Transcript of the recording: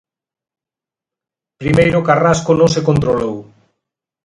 Primeiro Carrasco non se controlou.